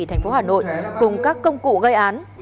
thành phố hà nội cùng các công cụ gây án